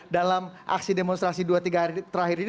dalam aksi demonstrasi dua tiga hari terakhir ini